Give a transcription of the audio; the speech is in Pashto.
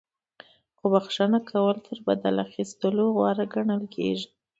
خو بخښنه کول تر بدل اخیستلو غوره ګڼل کیږي.